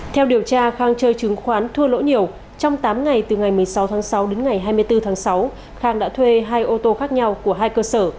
theo điều tra khang chơi chứng khoán thua lỗ nhiều trong tám ngày từ ngày một mươi sáu tháng sáu đến ngày hai mươi bốn tháng sáu khang đã thuê hai ô tô khác nhau của hai cơ sở